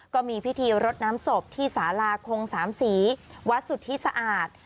ก็มีพิธีรถน้ำศพที่สาลาคง๓สีวัดสุดที่สะอาด